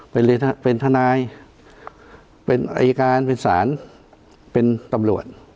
เป็นทนายเป็นอายการเป็นศาลเป็นตำรวจ